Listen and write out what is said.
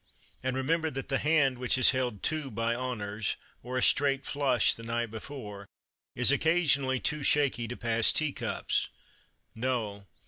And remember that the hand which has held two by honours, or a "straight flush" the night before, is occasionally too shaky to pass tea cups. No.